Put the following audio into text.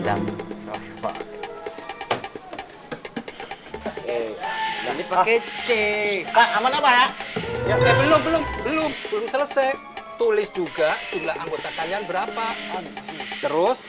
tulis juga jumlah anggota kalian berapa terus